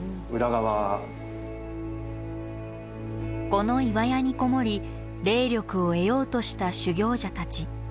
この岩屋に籠もり霊力を得ようとした修行者たち。